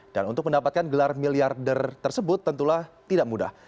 dan untuk mendapatkan gelar miliarder tersebut tentulah tidak mudah